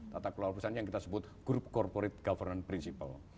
tata kelola perusahaan yang kita sebut group corporate governance principle